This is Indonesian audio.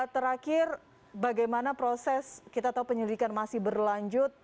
terakhir bagaimana proses kita tahu penyelidikan masih berlanjut